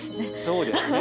そうですね。